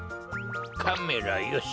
カメラよし。